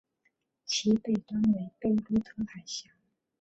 其北端为贝洛特海峡。